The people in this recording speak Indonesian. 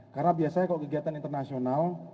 karena biasanya kalau kegiatan internasional